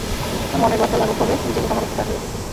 তার মনের ভারটা লাঘব হবে, নিজেকে ক্ষমা করতে পারবে ও।